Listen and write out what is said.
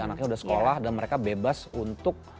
anaknya sudah sekolah dan mereka bebas untuk